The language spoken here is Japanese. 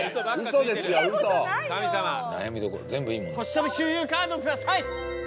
☆飛び周遊カードください！